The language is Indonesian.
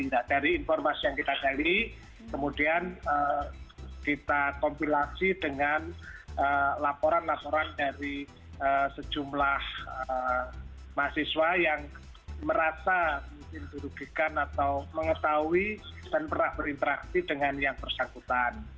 nah dari informasi yang kita gali kemudian kita kompilasi dengan laporan laporan dari sejumlah mahasiswa yang merasa mungkin dirugikan atau mengetahui dan pernah berinteraksi dengan yang bersangkutan